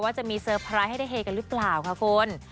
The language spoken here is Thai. จะมีเซอร์ไพรส์ให้ได้เฮกันหรือเปล่าค่ะคุณ